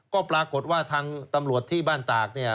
ก็ปรากฏว่าทางตำรวจที่บ้านตากเนี่ย